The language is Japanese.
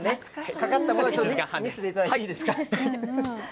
かかったものをちょっと見せていただいていいですか。